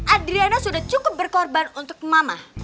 adriana sudah cukup berkorban untuk mama